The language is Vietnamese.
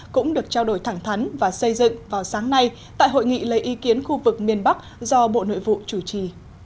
cũng được trao đổi thẳng thắn và xây dựng vào sáng nay tại hội nghị lấy ý kiến khu vực miền bắc do bộ nội vụ chủ trì